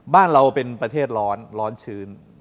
บ้านเราเป็นประเทศร้อนร้อนชื้น